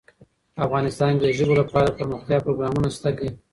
افغانستان کې د ژبو لپاره دپرمختیا پروګرامونه شته دي.